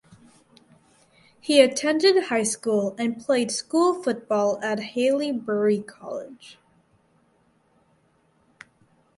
He attended high school and played school football at Haileybury College.